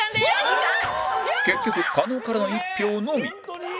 結局加納からの１票のみ